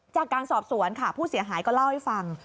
จากการสอบสวนค่ะผู้เสียหายก็เล่าให้ฟัง